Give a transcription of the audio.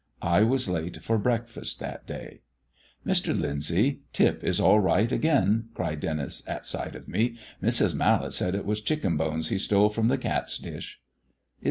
I was late for breakfast that day. "Mr. Lyndsay, Tip is all right again," cried Denis at sight of me. "Mrs. Mallet says it was chicken bones he stole from the cat's dish."